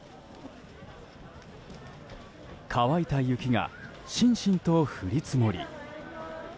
乾いた雪がしんしんと降り積もり。